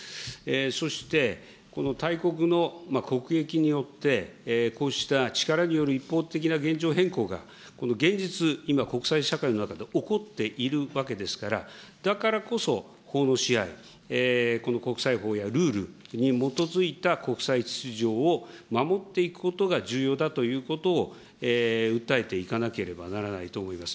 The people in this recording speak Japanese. そして、この大国の国益によって、こうした力による一方的な現状変更が現実、今国際社会の中で起こっているわけですから、だからこそ、法の支配、この国際法やルールに基づいた国際秩序を守っていくことが重要だということを訴えていかなければならないと思います。